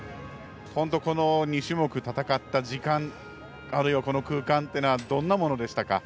この２種目、戦った時間あるいはこの空間というのはどんなものでしたか？